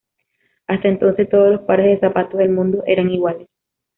Hasta entonces todos los pares de zapatos del mundo eran iguales.